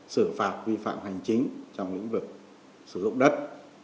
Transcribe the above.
xử phạt vi phạm hành chính trong lĩnh vực sử dụng đất